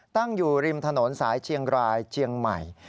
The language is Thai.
ตั้งอยู่ริมถนนสายเชียงรายเชียงใหม่